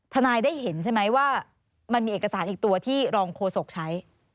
ได้เห็นใช่ไหมว่ามันมีเอกสารอีกตัวที่รองโฆษกใช้